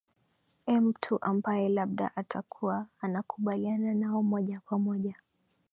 eh mtu ambaye labda atakuwa anakubaliana nao moja kwa moja